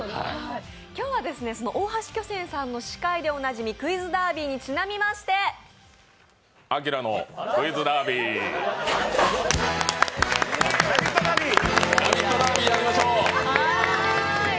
今日はその大橋巨泉さんの司会でおなじみ、「クイズダービー」にちなんで「明のクイズダービー」「ラヴィット！ダービー」やりましょう。